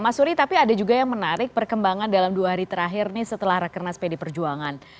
mas suri tapi ada juga yang menarik perkembangan dalam dua hari terakhir nih setelah rakernas pd perjuangan